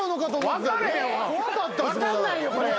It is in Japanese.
分かんないよこれ。